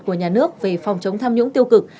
của nhà nước về phòng chống tham nhũng tiêu cực